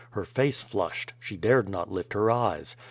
Her face flushed. She dared not lift her eyes.